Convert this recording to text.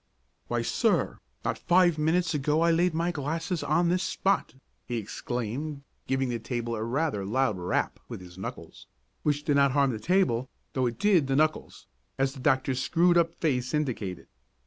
"Why, sir, not five minutes ago I laid my glasses on this spot!" he exclaimed, giving the table rather a loud rap with his knuckles, which did not harm the table, though it did the knuckles, as the doctor's screwed up face indicated.